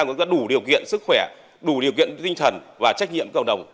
người ta đủ điều kiện sức khỏe đủ điều kiện tinh thần và trách nhiệm cộng đồng